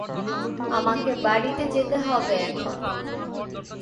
আমাকে বাড়ীতে যেতে হবে এখন।